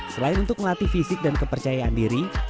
selain untuk melatih fisik dan kepercayaan diri